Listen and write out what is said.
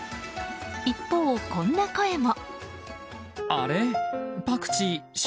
一方、こんな声も。